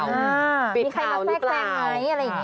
มีใครมาแสกแล้วอะไรอย่างนี้